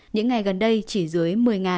những ngày gần đây chỉ dưới một mươi